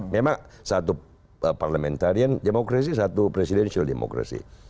memang satu parlamentarian demokrasi satu presiden demokrasi